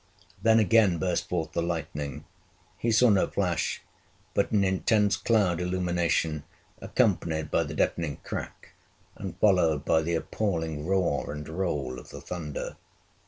Then again burst forth the lightning. He saw no flash, but an intense cloud illumination, accompanied by the deafening crack, and followed by the appalling roar and roll of the thunder.